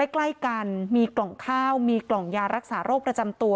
ใกล้กันมีกล่องข้าวมีกล่องยารักษาโรคประจำตัว